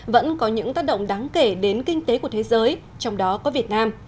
vẫn có những tác động đáng kể đến kinh tế của thế giới trong đó có việt nam